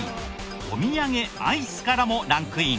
お土産アイスからもランクイン。